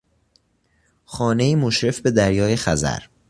خانهای مشرف به دریای خزر